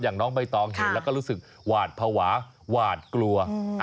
น้องใบตองเห็นแล้วก็รู้สึกหวาดภาวะหวาดกลัว